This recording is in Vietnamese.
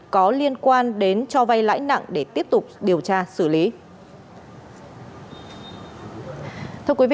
có liên quan đến cho vay lãi nặng để tiếp tục điều tra xử lý